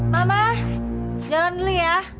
mama jangan berdiri ya